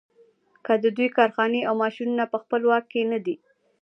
که د دوی کارخانې او ماشینونه په خپل واک کې نه دي.